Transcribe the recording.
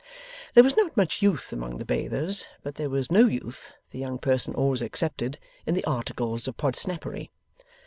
There was not much youth among the bathers, but there was no youth (the young person always excepted) in the articles of Podsnappery.